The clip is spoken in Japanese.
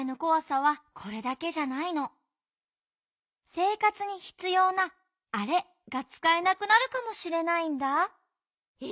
せいかつにひつような「あれ」がつかえなくなるかもしれないんだ。え？